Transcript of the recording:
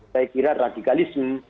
saya kira radikalisme